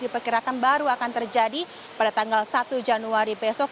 diperkirakan baru akan terjadi pada tanggal satu januari besok